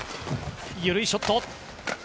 緩いショット。